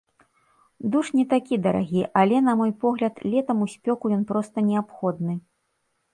Душ не такі дарагі, але, на мой погляд, летам у спёку ён проста неабходны!